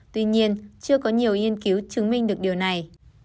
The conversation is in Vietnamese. tuy nhiên chưa có nhiều nghiên cứu chứng minh được điều này